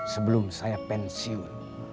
sebelum saya pensiun